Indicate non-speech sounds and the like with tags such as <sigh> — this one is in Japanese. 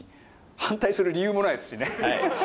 反対する理由もないですしね <laughs>